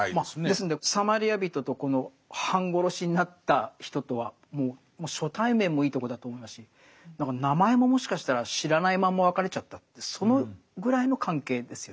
ですんでサマリア人とこの半殺しになった人とはもう初対面もいいとこだと思いますし名前ももしかしたら知らないまんま別れちゃったそのぐらいの関係ですよね。